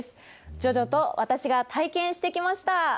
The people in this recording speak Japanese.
ＪＯＪＯと私が体験してきました。